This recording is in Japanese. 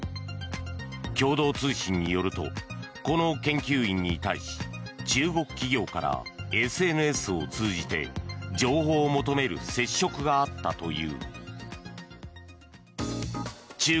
共同通信によるとこの研究員に対し中国企業からＳＮＳを通じて情報を求める接触があったという。